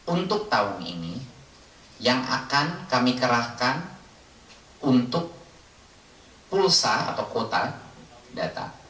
untuk tahun ini yang akan kami kerahkan untuk pulsa atau kuota data